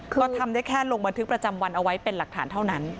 ก็ทำได้แค่ลงบันทึกประจำวันเอาไว้เป็นหลักฐานเท่านั้น